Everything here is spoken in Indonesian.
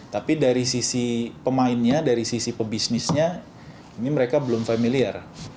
tapi dari sisi pemainnya dari sisi pebisnisnya ini mereka belum familiar